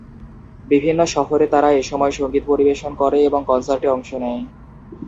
বিভিন্ন শহরে তারা এসময় সঙ্গীত পরিবেশন করে এবং কনসার্টে অংশ নেয়।